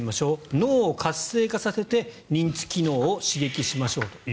脳を活性化させて認知機能を刺激しましょうと。